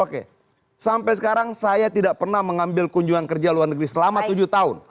oke sampai sekarang saya tidak pernah mengambil kunjungan kerja luar negeri selama tujuh tahun